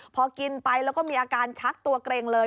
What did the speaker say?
พอกินไปแล้วก็มีอาการชักตัวเกร็งเลย